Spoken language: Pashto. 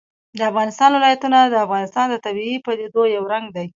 د افغانستان ولايتونه د افغانستان د طبیعي پدیدو یو رنګ دی.